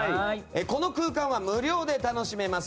この空間は無料で楽しめます。